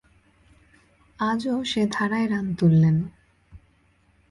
আজও সে ধারায় রান তুললেন।